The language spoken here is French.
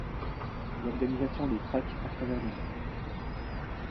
L’organisation les traque à travers le monde.